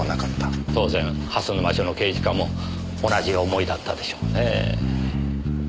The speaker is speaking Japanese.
当然蓮沼署の刑事課も同じ思いだったでしょうね。